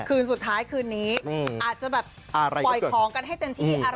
คืนสุดท้ายคืนนี้อาจจะแบบปล่อยของกันให้เต็มที่อะไร